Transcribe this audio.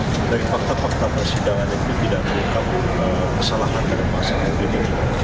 walaupun sebenarnya dari fakta fakta persidangan itu tidak diungkap kesalahan terhadap masyarakat ini